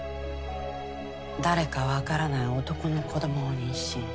誰か分からない男の子どもを妊娠。